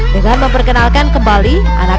dengan memperkenalkan kembali